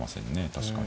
確かに。